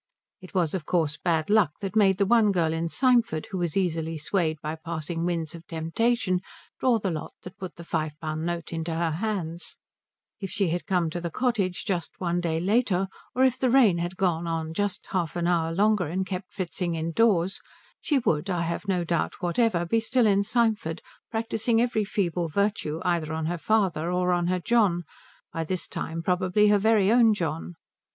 It was of course Bad Luck that made the one girl in Symford who was easily swayed by passing winds of temptation draw the lot that put the five pound note into her hands; if she had come to the cottage just one day later, or if the rain had gone on just half an hour longer and kept Fritzing indoors, she would, I have no doubt whatever, be still in Symford practising every feeble virtue either on her father or on her John, by this time probably her very own John.